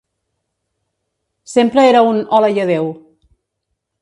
Sempre era un "hola i adéu".